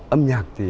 âm nhạc thì